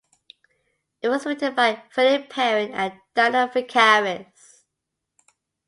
It was written by Freddie Perren and Dino Fekaris.